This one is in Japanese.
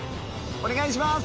お願いします！